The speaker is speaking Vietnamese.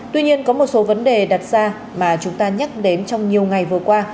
tuy nhiên có một số vấn đề đặt ra mà chúng ta nhắc đến trong nhiều ngày vừa qua